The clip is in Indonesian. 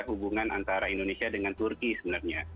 hubungan antara indonesia dengan turki sebenarnya